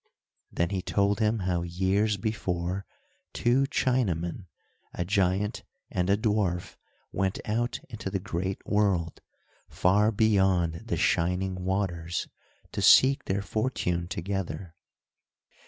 Then he told him how years before two Chinamen, a giant and a dwarf, went out into the great world, far beyond the shining waters, to seek their fortune together.